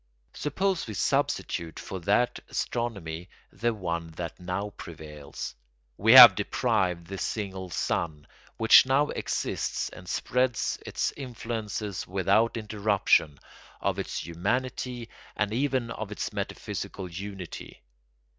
Suppose we substitute for that astronomy the one that now prevails: we have deprived the single sun—which now exists and spreads its influences without interruption—of its humanity and even of its metaphysical unity.